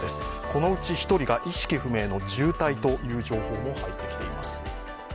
このうち１人が意識不明の重体という情報も入ってきています。